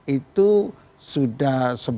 itu sudah sebelum dahulu